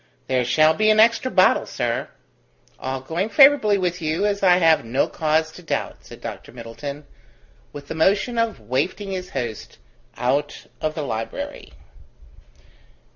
"There shall be an extra bottle, sir." "All going favourably with you, as I have no cause to doubt," said Dr Middleton, with the motion of wafting his host out of the library.